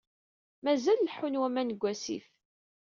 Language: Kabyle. Mazal leḥḥun waman deg asif.